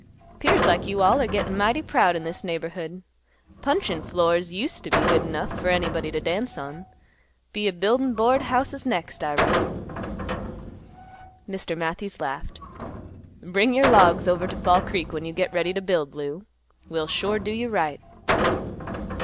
"'Pears like you all 'r gettin' mighty proud in this neighborhood. Puncheon floors used t' be good enough fer anybody t' dance on. Be a buildin' board houses next, I reckon." Mr. Matthews laughed, "Bring your logs over to Fall Creek when you get ready to build, Lou; we'll sure do you right."